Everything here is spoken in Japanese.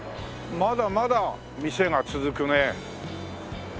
まだまだ店が続くね。